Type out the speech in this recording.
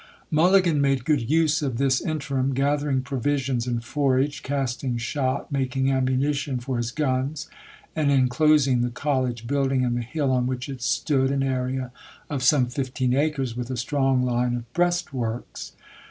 Mulligan made good use of this interim, gather ing provisions and forage, casting shot, making am munition for his guns, and inclosing the college building and the hill on which it stood, an area of some fifteen acres, with a strong line of breast works.